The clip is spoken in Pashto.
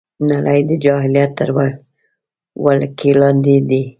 نړۍ د جاهلیت تر ولکې لاندې ده